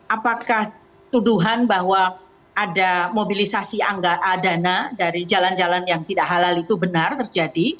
apakah tuduhan bahwa ada mobilisasi dana dari jalan jalan yang tidak halal itu benar terjadi